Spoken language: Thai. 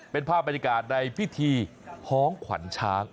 เป็นภาพบรรยากาศในพิธีพ้องขวัญช้าง